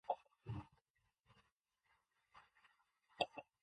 The museum is private and open by appointment only.